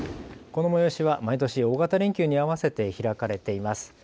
この催しは毎年、大型連休に合わせて開かれています。